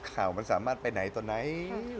ข่าวมันสามารถไปไหนต่อไหน